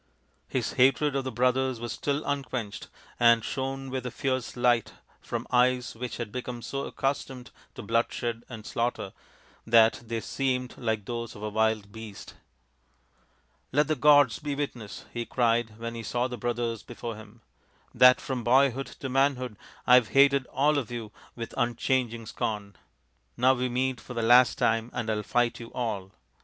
His hatred of the brothers was still unquenched and shone with a fierce light from eyes which had become so accus tomed to bloodshed and slaughter that they seemed like those of a wild beast, " Let the gods be witness," he cried when he saw the brothers before him, " that from boyhood to manhood I have hated all of you with unchanging scorn. Now we meet for the last time and I will fight you all."